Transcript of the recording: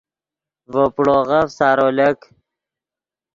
ڤے پڑوغف سارو لک